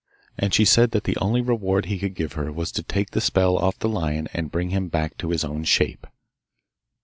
And she said that the only reward he could give her was to take the spell off the lion and bring him back to his own shape.